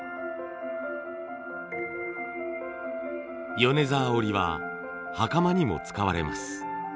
米沢織は袴にも使われます。